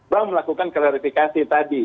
bank melakukan klarifikasi tadi